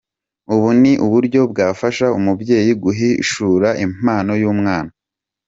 Ubu ni uburyo bwafasha umubyeyi guhishura impano y’umwana.